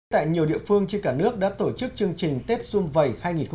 tại nhiều địa phương trên cả nước đã tổ chức chương trình tết xuân vầy hai nghìn hai mươi